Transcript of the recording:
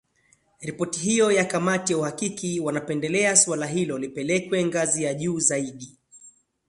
Ripoti hiyo ya kamati ya uhakiki wanapendelea suala hilo lipelekwe ngazi ya juu zaidi.